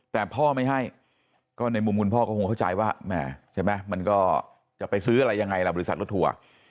แต่พ่อไม่ให้ก็ในมุมคุณพ่อก็คงเข้าใจว่าแม่ใช่ไหมมันก็จะไปซื้ออะไรยังไงล่ะบริษัทรถทัวร์